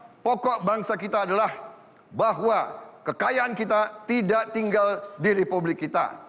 tujuan pokok bangsa kita adalah bahwa kekayaan kita tidak tinggal di republik kita